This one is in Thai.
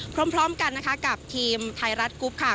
พร้อมกันนะคะกับทีมไทยรัฐกรุ๊ปค่ะ